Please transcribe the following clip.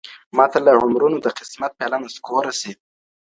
ماته له عمرونو د قسمت پیاله نسکوره سي.